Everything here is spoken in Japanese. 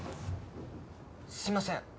すいません